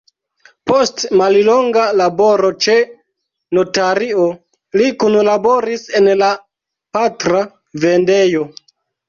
Post mallonga laboro ĉe notario li kunlaboris en la patra vendejo.